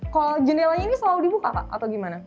kalau jendelanya ini selalu dibuka pak atau gimana